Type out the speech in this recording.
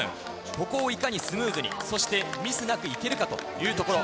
ここをいかにスムーズに、そしてミスなくいけるかというところ。